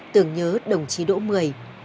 tưởng nhớ đồng chí đỗ mười